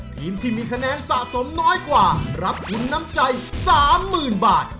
ทีมที่มีคะแนนสะสมน้อยกว่ารับทุนน้ำใจ๓๐๐๐บาท